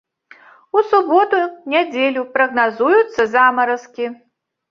У суботу, нядзелю прагназуюцца замаразкі.